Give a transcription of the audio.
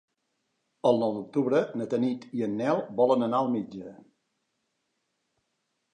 El nou d'octubre na Tanit i en Nel volen anar al metge.